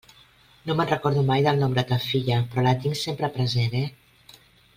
No me'n recordo mai del nom de ta filla, però la tinc sempre present, eh?